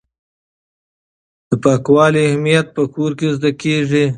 د پاکوالي اهمیت په کور کې زده کیږي.